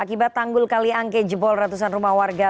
akibat tanggul kaliang kejebol ratusan rumah warga